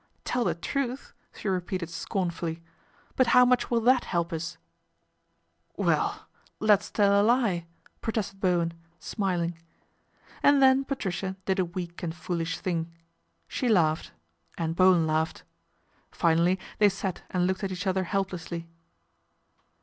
" Tell the truth," she repeated scornfully. " But how much will that help us ?" "Well ! let's tell a lie," protested Bowen, smiling. And then Patricia did a weak and foolish thing, she laughed, and Bowen laughed. Finally they sat and looked at each other helplessly.